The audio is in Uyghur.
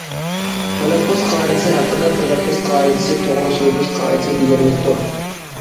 تەلەپپۇز قائىدىسى ھەققىدە تەلەپپۇز قائىدىسى توغرا سۆزلەش قائىدىسى دېگەنلىكتۇر.